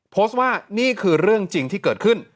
โพสต์ว่านี่คือเรื่องจริงที่เกิดขึ้น